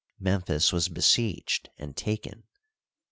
Memphis was besieged and taken.